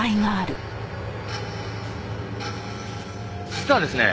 実はですね